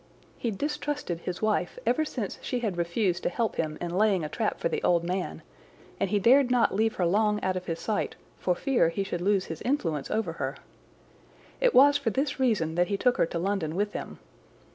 He distrusted his wife ever since she had refused to help him in laying a trap for the old man, and he dared not leave her long out of his sight for fear he should lose his influence over her. It was for this reason that he took her to London with him.